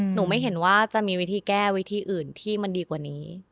ไม่เห็นว่าจะมีวิธีแก้วิธีอื่นที่มันดีกว่านี้